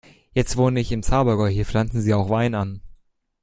Jetzt wohne ich im Zabergäu, hier pflanzen sie auch Wein an.